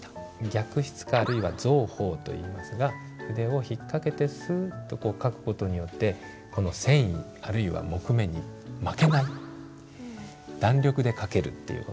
逆筆かあるいは蔵鋒といいますが筆を引っ掛けてスッと書く事によってこの繊維あるいは木目に負けない弾力で書けるっていう事なんですね。